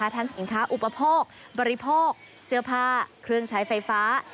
สินค้าอุปโภคบริโภคเสื้อผ้าเครื่องใช้ไฟฟ้า